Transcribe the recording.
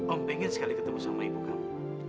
om pengen sekali ketemu sama ibu kamu